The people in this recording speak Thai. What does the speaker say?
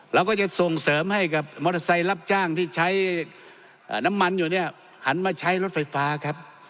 เราก็จะส่งเสริมให้กับมอเตอร์ไซค์รับจ้างที่ใช้น้ำมันอยู่เนี่ยหันมาใช้รถไฟฟ้าครับ